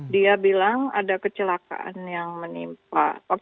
dia bilang ada kecelakaan yang menimpa